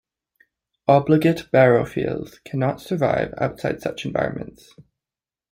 "Obligate barophiles" cannot survive outside such environments.